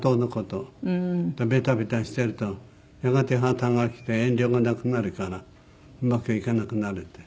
ベタベタしているとやがて破綻がきて遠慮がなくなるからうまくいかなくなるって。